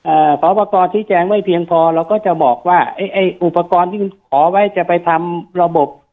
อ่าขออุปกรณ์ชี้แจงไม่เพียงพอเราก็จะบอกว่าเอ๊ะเอ๊ะอุปกรณ์ที่คุณขอไว้จะไปทำระบบ